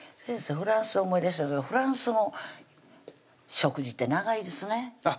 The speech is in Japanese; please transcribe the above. フランスで思い出したフランスの食事って長いですねあっ